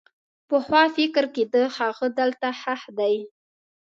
پخوا فکر کېده هغه دلته ښخ دی.